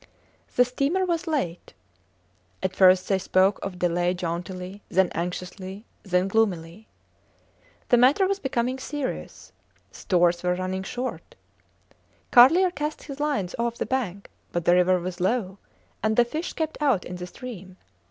The steamer was late. At first they spoke of delay jauntily, then anxiously, then gloomily. The matter was becoming serious. Stores were running short. Carlier cast his lines off the bank, but the river was low, and the fish kept out in the stream.